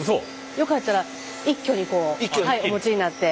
よかったら一挙にこうお持ちになって。